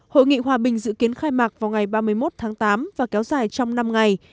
hội nghị hòa bình dự kiến khai mạc vào ngày ba mươi một tháng tám và kéo dài trong năm ngày